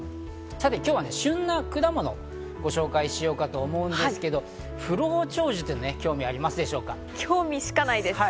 今日は旬な果物をご紹介しようかと思うんですけど、不老長寿、興味しかないです。